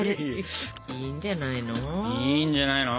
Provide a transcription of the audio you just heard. いいんじゃないの？